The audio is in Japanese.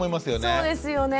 そうですよね。